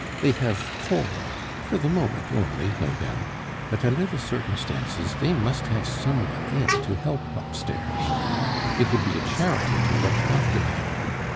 They have quarreled (for the moment only, no doubt), but under the circumstances they must have some one in to help upstairs. It would be a charity to look after him.